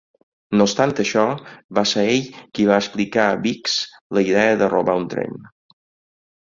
No obstant això, va ser ell qui va explicar a Biggs la idea de robar un tren.